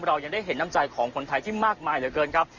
เรายังได้เห็นน้ำใจของคนไทยที่มากมายเหลือเกินครับ